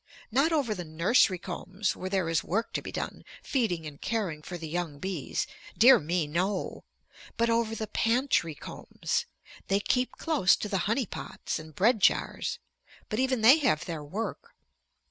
Not over the nursery combs where there is work to be done, feeding and caring for the young bees. Dear me, no. But over the pantry combs. They keep close to the honey pots and bread jars. But even they have their work.